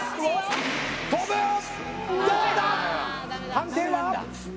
判定は？